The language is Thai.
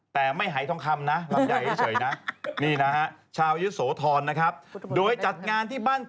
แต่ไม่หายทองคำนะ